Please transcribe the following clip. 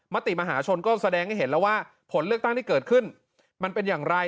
มติมหาชนก็แสดงให้เห็นแล้วว่าผลเลือกตั้งที่เกิดขึ้นมันเป็นอย่างไร